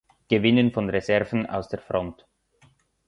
Gewinnen von Reserven aus der Front.